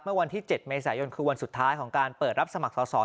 เมื่อวันที่๗เมษายนคือวันสุดท้ายของการเปิดรับสมัครสอบ